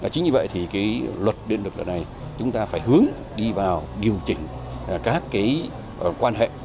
chính như vậy thì luật địa lực này chúng ta phải hướng đi vào điều chỉnh các quan hệ